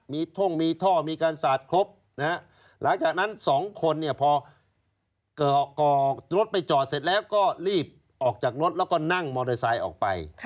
มีท่งมีท่อมีการสาดครบนะฮะหลังจากนั้นสองคนเนี่ยพอก่อรถไปจอดเสร็จแล้วก็รีบออกจากรถแล้วก็นั่งมอเตอร์ไซค์ออกไป